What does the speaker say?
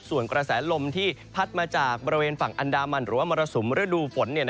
ส่วนกระแสลมที่พัดมาจากบริเวณฝั่งอันดามันหรือว่ามรสุมฤดูฝน